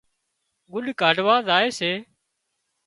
ڳُڏ ڪاڍوا زائي سي